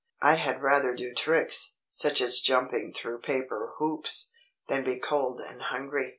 I had rather do tricks, such as jumping through paper hoops, than be cold and hungry."